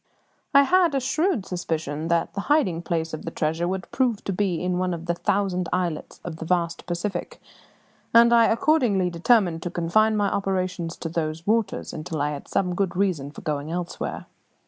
I had a shrewd suspicion that the hiding place of the treasure would prove to be in one of the thousand islets of the vast Pacific; and I accordingly determined to confine my operations to those waters until I had some good reason for going elsewhere.